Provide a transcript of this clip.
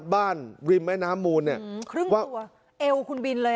ริมแม่น้ำมูลเนี่ยครึ่งตัวเอวคุณบินเลย